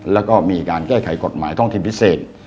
และก็มีการแก้ไขกฎหมายท้องถิ่นพิเศษ